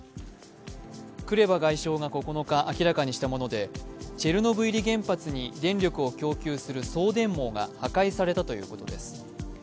クレバ外相が９日明らかにしたものでチェルノブイリ原発に電力を供給する送電網が破壊されたということです。